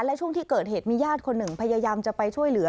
และช่วงที่เกิดเหตุมีญาติคนหนึ่งพยายามจะไปช่วยเหลือ